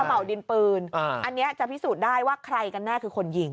เห่าดินปืนอันนี้จะพิสูจน์ได้ว่าใครกันแน่คือคนยิง